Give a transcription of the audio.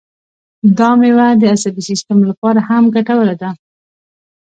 دا مېوه د عصبي سیستم لپاره هم ګټوره ده.